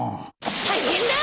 大変だ！